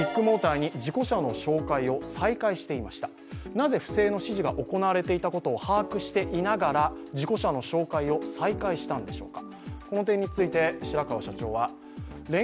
なぜ、不正の指示が行われていたことを把握していながら事故車の紹介を再開したのでしょうか。